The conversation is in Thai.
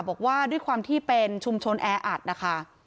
บอกว่าด้วยความที่เป็นชุมชนแออัดนะคะ